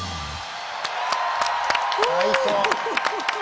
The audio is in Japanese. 最高。